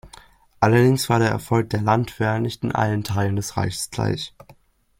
Allerdings war der Erfolg der Landwehr nicht in allen Teilen des Reiches gleich.